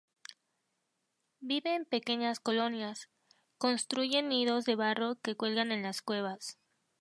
Vive en pequeñas colonias; construyen nidos de barro que cuelgan en las cuevas.